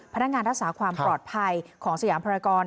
พนักงานรักษาความปลอดภัยของสยามภารกร